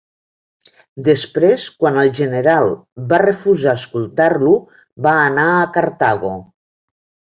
Després, quan el general va refusar escoltar-lo, va anar a Cartago.